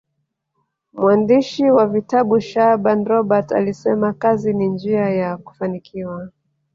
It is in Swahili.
mwandishi wa vitabu shaaban robert alisema kazi ni njia ya kufanikiwa